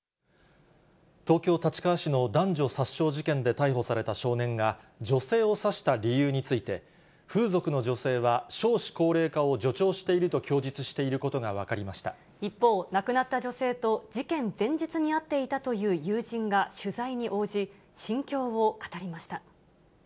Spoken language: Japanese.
東京・立川市の男女殺傷事件で逮捕された少年が、女性を刺した理由について、風俗の女性は少子高齢化を助長していると供述していることが分か一方、亡くなった女性と事件前日に会っていたという友人が取材に応じ、心境を語りました。